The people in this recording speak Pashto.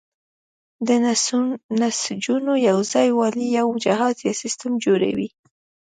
د نسجونو یوځای والی یو جهاز یا سیستم جوړوي.